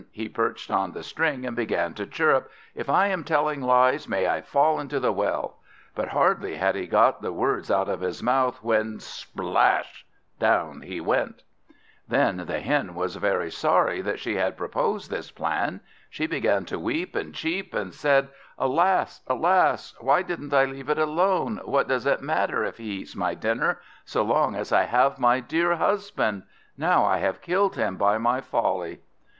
He perched on the string and began to chirrup, "If I am telling lies, may I fall into the well;" but hardly had he got the words out of his mouth, when splash! down he went. Then the Hen was very sorry that she had proposed this plan; she began to weep and cheep, and said "Alas, alas, why didn't I leave it alone? What does it matter if he eats my dinner, so long as I have my dear husband? Now I have killed him by my folly."